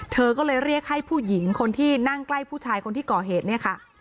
เธอก็เลยเรียกให้ผู้หญิงคนที่นั่งใกล้ผู้ชายคนที่ก่อเหตุเนี่ยค่ะ